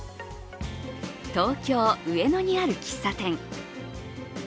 東京・上野にある喫茶店。